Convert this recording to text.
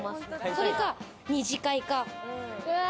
それか２次会か。